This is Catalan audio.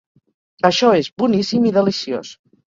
Això és boníssim i deliciós.